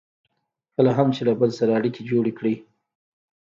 کله هم چې له بل سره اړیکې جوړې کړئ.